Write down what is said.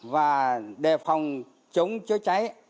và đề phòng chống chứa cháy